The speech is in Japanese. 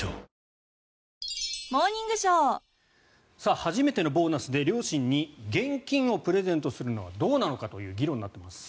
初めてのボーナスで両親に現金をプレゼントするのはどうなのかという議論になっています。